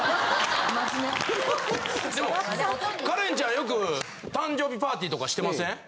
・真面目・カレンちゃんよく誕生日パーティーとかしてません？